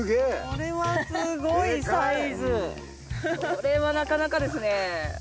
それはなかなかですね。